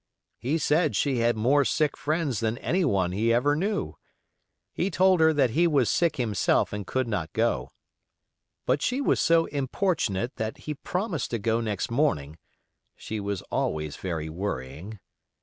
He said she had more sick friends than anyone he ever knew; he told her that he was sick himself and could not go; but she was so importunate that he promised to go next morning (she was always very worrying).